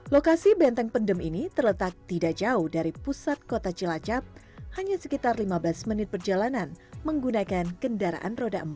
lokasi benteng pendem ini terletak tidak jauh dari pusat kota cilacap hanya sekitar lima belas menit perjalanan menggunakan kendaraan roda empat